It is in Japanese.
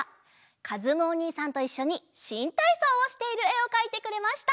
かずむおにいさんといっしょにしんたいそうをしているえをかいてくれました！